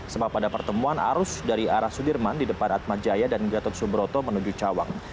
sebab pada pertemuan arus dari arah sudirman di depan atmajaya dan gatot subroto menuju cawang